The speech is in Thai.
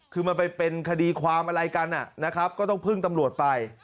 คือมันไปเป็นคดีความอะไรกันนะครับก็ต้องพึ่งตำรวจไป